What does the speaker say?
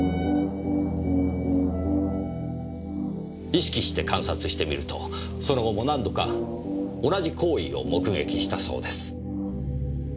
意識して観察してみるとその後も何度か同じ行為を目撃したそうです。